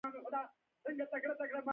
پیشو مې په ځان مین دی.